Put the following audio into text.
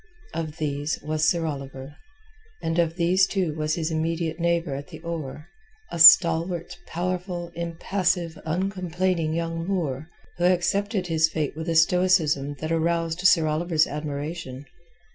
Of these was Sir Oliver, and of these too was his immediate neighbour at the oar, a stalwart, powerful, impassive, uncomplaining young Moor, who accepted his fate with a stoicism that aroused Sir Oliver's admiration.